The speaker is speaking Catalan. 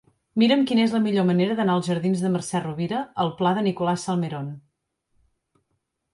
Mira'm quina és la millor manera d'anar dels jardins de Mercè Rovira al pla de Nicolás Salmerón.